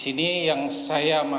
terima kasih sekali